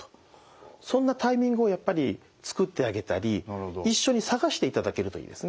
そんなタイミングをやっぱり作ってあげたり一緒に探していただけるといいですね。